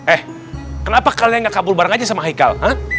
eh kenapa kalian gak kabur bareng aja sama haikal